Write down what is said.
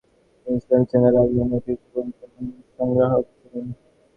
তিনি ইসালামি চিন্তাধারার একজন নেতৃস্থানীয় প্রবক্তা এবং সংগ্রাহক ছিলেন।